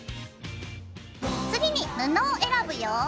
次に布を選ぶよ。